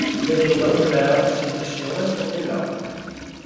Vedendolo Claire si impressiona e scoppia in lacrime.